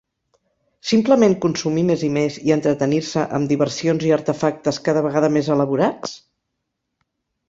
Simplement consumir més i més, i entretenir-se amb diversions i artefactes cada vegada més elaborats?